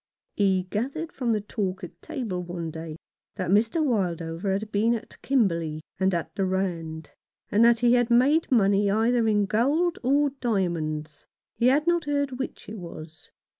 He gathered from the talk at table one day that Mr. Wildover had been at Kimberley and at the Rand, and that he had made money either in gold or diamonds. He had not heard which it was.